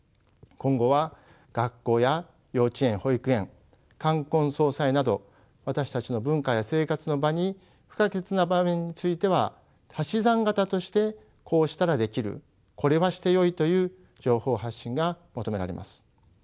今後は学校や幼稚園保育園冠婚葬祭など私たちの文化や生活の場に不可欠な場面については足し算型としてこうしたらできるこれはしてよいという情報発信が求められます。